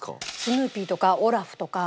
スヌーピーとかオラフとか。